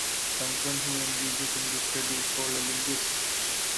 Someone who engages in this study is called a linguist.